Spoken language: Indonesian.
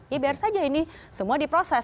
ya biar saja ini semua diproses